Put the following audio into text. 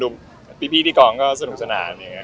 ทุกคนดูปีที่กองก็สนุกสนาน